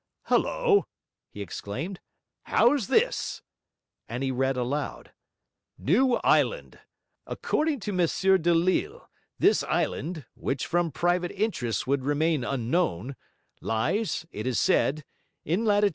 'Hullo!' he exclaimed. 'How's this?' And he read aloud. 'New Island. According to M. Delille this island, which from private interests would remain unknown, lies, it is said, in lat.